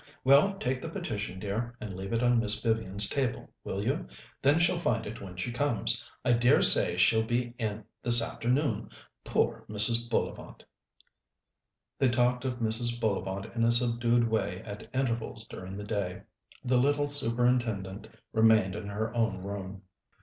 "Well, take the petition, dear, and leave it on Miss Vivian's table, will you? Then she'll find it when she comes. I dare say she'll be in this afternoon. Poor Mrs. Bullivant!" They talked of Mrs. Bullivant in a subdued way at intervals during the day. The little Superintendent remained in her own room.